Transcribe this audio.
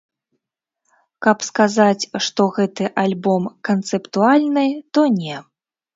Каб сказаць, што гэты альбом канцэптуальны, то не.